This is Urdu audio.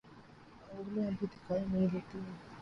انگلیاں بھی دیکھائی نہیں دیتی